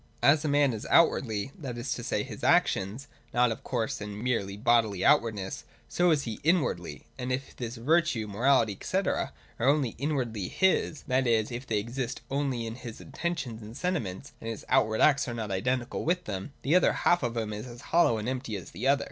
As a man is outwardly, that is to say in his actions (not of course in his merely bodily outwardness* so' is he inwardly : and if his virtue, morality, &c. are only inwardly his, — that is if they exist only in his intentions and sentiments, and his outward acts are not identical with them, the one half of him is as hollow and empty as the other.